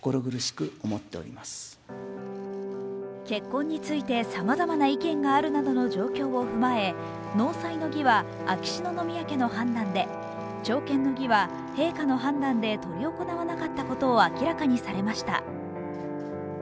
結婚についてさまざまな意見があるなどの状況を踏まえ納采の儀は秋篠宮家の判断で、朝見の儀は陛下の判断で執り行わなかったことを明らかにされました。